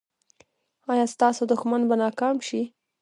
ایا ستاسو دښمن به ناکام شي؟